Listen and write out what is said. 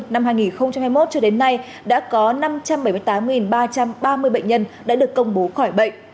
năm hai nghìn hai mươi một cho đến nay đã có năm trăm bảy mươi tám ba trăm ba mươi bệnh nhân đã được công bố khỏi bệnh